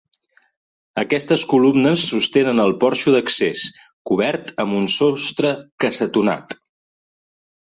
Aquestes columnes sostenen el porxo d'accés, cobert amb un sostre cassetonat.